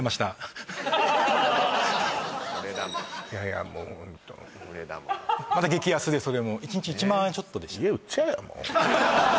これだもんいやいやもうホントまた激安でそれも１日１万ちょっとでした